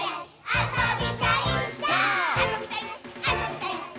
あそびたいっ！！」